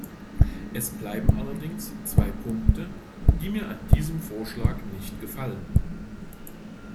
Es bleiben allerdings zwei Punkte, die mir an diesem Vorschlag nicht gefallen.